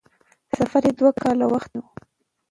سفر یې دوه کاله وخت ونیو.